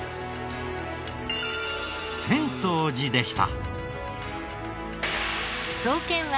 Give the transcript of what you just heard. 浅草寺でした。